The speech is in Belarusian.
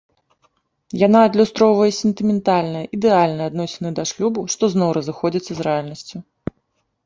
Яна адлюстроўвае сентыментальныя, ідэальныя адносіны да шлюбу, што зноў разыходзіцца з рэальнасцю.